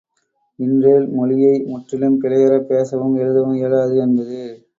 இன்றேல், மொழியை முற்றிலும் பிழையறப் பேசவும் எழுதவும் இயலாது என்பது.